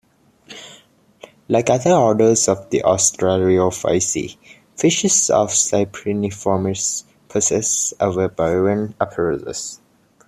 Like other orders of the Ostariophysi, fishes of cypriniformes possess a Weberian apparatus.